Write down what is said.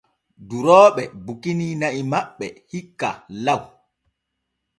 Durooɓe bukini na'i maɓɓe hikka law.